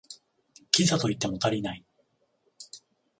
キザと言っても足りない